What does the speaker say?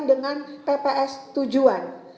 dengan pps tujuan